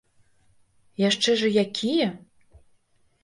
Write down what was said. Яшчэ ж і якія!